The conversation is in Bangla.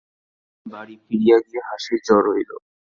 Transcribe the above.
সেইদিন বাড়ি ফিরিয়া গিয়া হাসির জ্বর হইল।